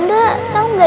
gak usah ngetenpe